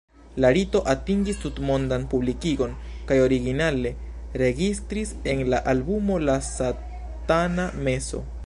La rito atingis tutmondan publikigon kaj originale registris en la albumo La Satana Meso.